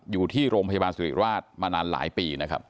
อยู่ที่โรงพยาบาลสุริราชมานานหลายปีนะครับ